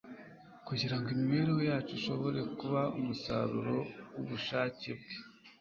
kugira ngo imibereho yacu ishobore kuba umusaruro w’ubushake Bwe